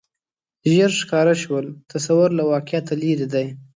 ژر ښکاره شول تصور له واقعیته لرې دی